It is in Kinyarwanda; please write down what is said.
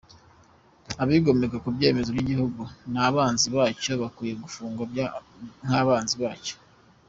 Abigomeka ku byemezo by’igihugu ni abanzi bacyo bakwiye gufungwa nk’abanzi bacyo.